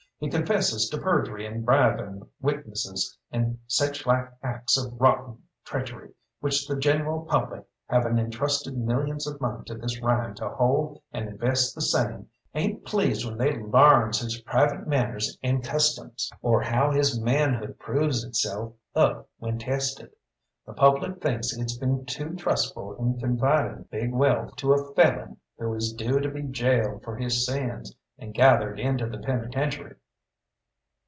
He confesses to perjury and bribing witnesses, an' sech like acts of rotten treachery, which the general public havin' entrusted millions of money to this Ryan to hold and invest the same, ain't pleased when they larns his private manners and customs, or how his manhood proves itself up when tested. The public thinks it's been too trustful in confiding big wealth to a felon who is due to be gaoled for his sins and gathered into the penitentiary."